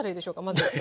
まず。